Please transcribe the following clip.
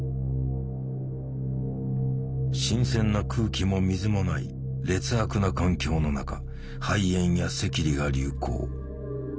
新鮮な空気も水もない劣悪な環境の中肺炎や赤痢が流行。